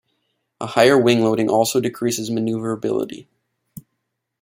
A higher wing loading also decreases maneuverability.